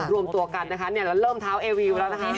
รวมตัวกันนะคะแล้วเริ่มเท้าเอวิวแล้วนะคะ